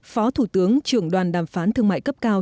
phó thủ tướng trưởng đoàn đàm phán thương mại cấp cao